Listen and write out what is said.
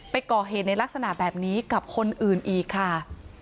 ไปก่อเหตุในลักษณะแบบนี้กับคนอื่นอีกค่ะ